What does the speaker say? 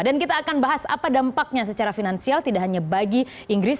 dan kita akan bahas apa dampaknya secara finansial tidak hanya bagi inggris